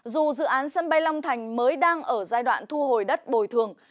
dù dự án sân bay long thành mới đang ở giai đoạn thu hồi đất bồi thường